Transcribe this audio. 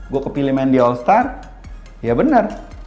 gue kepilih main di all star ya benar